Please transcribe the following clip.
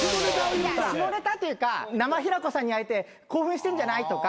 下ネタっていうか「生平子さんに会えて興奮してんじゃない？」とか。